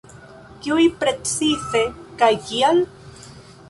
Kiuj precize kaj kial?